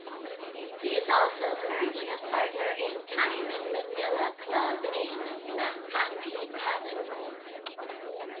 He is also currently a partner in "Time in Manila" club in Makati Avenue.